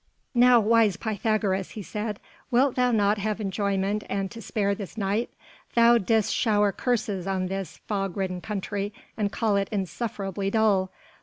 "Now, wise Pythagoras," he said, "wilt thou not have enjoyment and to spare this night? Thou didst shower curses on this fog ridden country, and call it insufferably dull.